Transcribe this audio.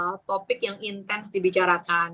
ini adalah topik yang intens dibicarakan